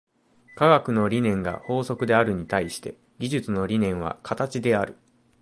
科学の理念が法則であるに対して、技術の理念は形である。